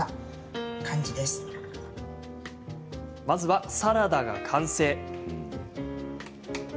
まずは、サラダが完成。